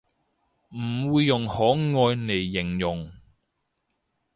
唔會用可愛嚟形容